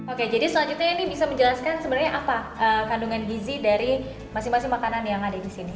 oke jadi selanjutnya ini bisa menjelaskan sebenarnya apa kandungan gizi dari masing masing makanan yang ada di sini